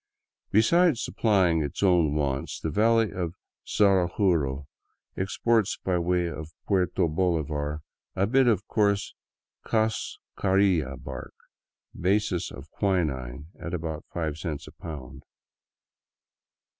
Besides supplying its own wants, the valley of Zaraguro exports by way of Puerto Bolivar a bit of coarse cascarilla bark, basis of quinine, at about five cents a pound.